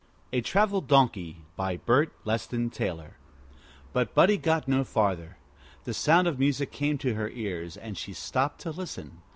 A TRAVELED DONKEY BY BERT LESTON TAYLOR But Buddie got no farther. The sound of music came to her ears, and she stopped to listen.